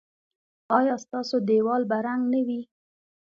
ایا ستاسو دیوال به رنګ نه وي؟